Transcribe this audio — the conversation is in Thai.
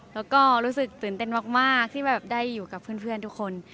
แล้วก็รู้สึกตื่นเต้นมากที่แบบได้อยู่กับเพื่อนทุกคน